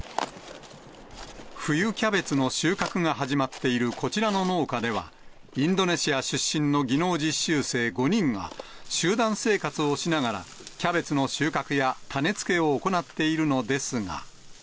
冬キャベツの収穫が始まっているこちらの農家では、インドネシア出身の技能実習生５人が集団生活をしながらキャベツの収穫や種付けを行っているのですが。